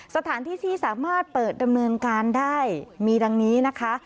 สถานที่ที่สามารถเปิดดำเนินการได้มีดังนี้นะคะ